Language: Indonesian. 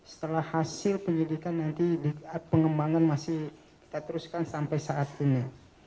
setelah hasil penyelidikan nanti di atas pengembangan masih kita teruskan sampai saat ini